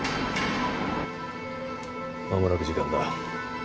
まもなく時間だ。